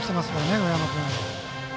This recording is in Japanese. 上山君。